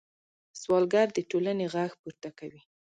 سوالګر د ټولنې غږ پورته کوي